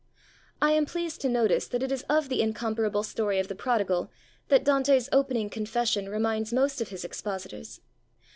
I am pleased to notice that it is of the incomparable story of the prodigal that Dante's opening confession reminds most of his expositors.